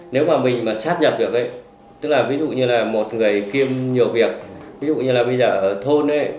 nếu mà mình mà sắp nhập được ấy tức là ví dụ như là một người kiêm nhiều việc ví dụ như là bây giờ ở thôn ấy